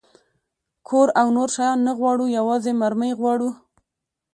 کور او نور شیان نه غواړو، یوازې مرمۍ غواړو.